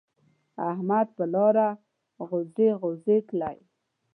احمد پر لار غوزی غوزی تلی.